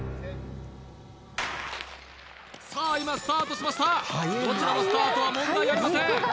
Ｓｅｔさあ今スタートしましたどちらもスタートは問題ありません